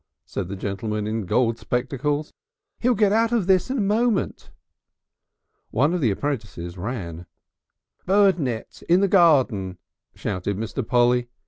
said the gentleman in gold spectacles. "He'll get out of this in a moment." One of the apprentices ran. "Bird nets in the garden," shouted Mr. Polly.